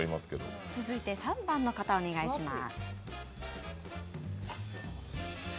では、続いて３番の方、お願いします。